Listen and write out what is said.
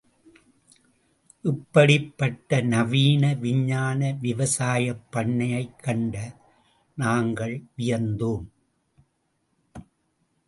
இப்படிப்பட்ட நவீன விஞ்ஞான விவசாயப் பன்னையைக் கண்ட நாங்கள் வியந்தோம்.